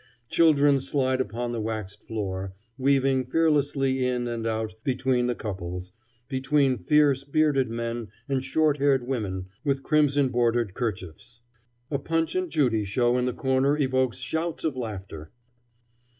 Children slide upon the waxed floor, weaving fearlessly in and out between the couples between fierce, bearded men and short haired women with crimson bordered kerchiefs. A Punch and Judy show in the corner evokes shouts of laughter.